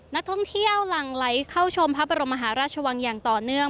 นักท่องเที่ยวหลั่งไหลเข้าชมพระบรมมหาราชวังอย่างต่อเนื่อง